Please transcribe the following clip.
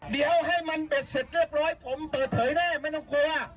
เดี๋ยวให้มันเบ็ดเสร็จเรียบร้อยผมเปิดเผยได้ไม่ต้องกลัว